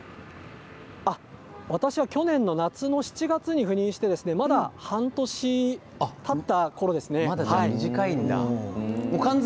私は去年の夏の７月に赴任してまだ半年たったころですね。